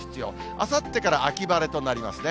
あさってから秋晴れとなりますね。